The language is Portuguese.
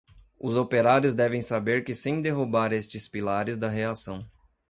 Os operários devem saber que sem derrubar estes pilares da reação